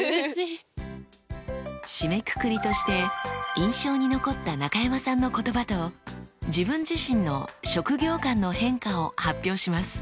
締めくくりとして印象に残った中山さんの言葉と自分自身の職業観の変化を発表します。